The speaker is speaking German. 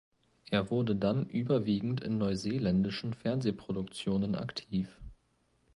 Er wurde dann überwiegend in neuseeländischen Fernsehproduktionen aktiv.